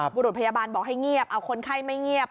บุรุษพยาบาลบอกให้เงียบเอาคนไข้ไม่เงียบ